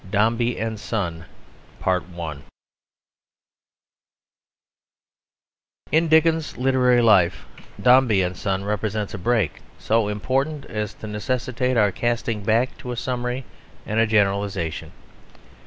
DOMBEY AND SON In Dickens's literary life Dombey and Son represents a break so important as to necessitate our casting back to a summary and a generalisation.